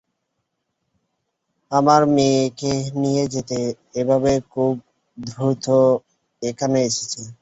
আমার মেয়েকে নিয়ে যেতে এভাবেই খুব দ্রুত এখানে এসেছে।